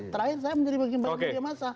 terakhir saya menjadi bagian bagian